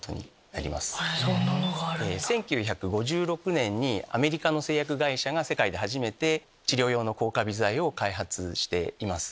１９５６年にアメリカの製薬会社が世界で初めて治療用の抗カビ剤を開発してます。